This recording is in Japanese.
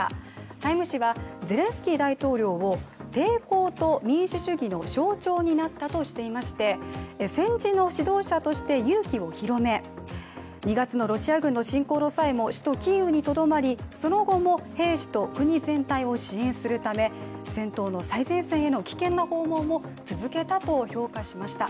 「タイム」誌はゼレンスキー大統領を抵抗と民主主義の象徴になったとしていまして戦時の指導者として勇気を広め、２月のロシア軍の侵攻の際も首都キーウにとどまりその後も兵士と国全体を支援するため戦闘の最前線への危険な訪問を続けたと評価しました。